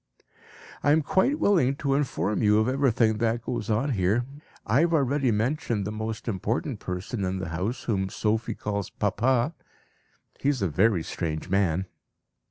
"I am quite willing to inform you of everything that goes on here. I have already mentioned the most important person in the house, whom Sophie calls 'Papa.' He is a very strange man."